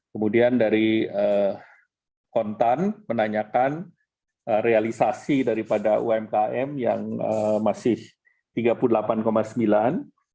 kemudian dari kontan menanyakan realisasi daripada umkm yang masih rp tiga puluh delapan sembilan